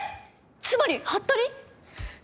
つまりハッタリ？